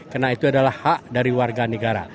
karena itu adalah hak dari warga negara